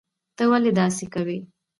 ته ولي داسي کوي